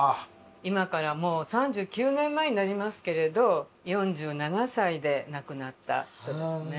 今からもう３９年前になりますけれど４７歳で亡くなった人ですね。